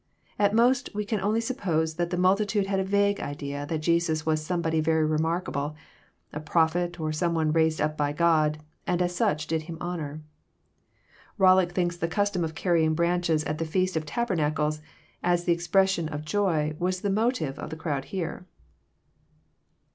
At most we can only suppose that the multitude had a vague idea that Jesus was somebody very remarkable, a prophet, or some one raised up by God, and as such did Him honour. Bollock thinks the custom of carrying branches at the feast of tabernacles, as the expression of Joy, was the motive of the crowd here.